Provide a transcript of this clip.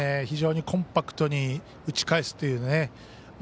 非常にコンパクトに打ち返すというね。